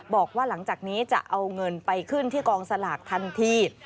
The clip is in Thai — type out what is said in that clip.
บอกว่าหลังจากนี้จะเอาเงินไปขึ้นที่กองสลากทันที